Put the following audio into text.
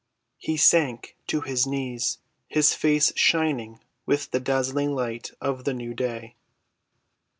He sank to his knees, his face shining with the dazzling light of the new day.